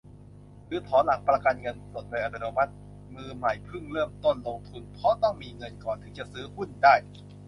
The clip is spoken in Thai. หรือถอนหลักประกันเงินสด โดยอัตโนมัติ มือใหม่เพิ่งเริ่มต้นลงทุน เพราะต้องมีเงินก่อนถึงจะซื้อหุ้นได้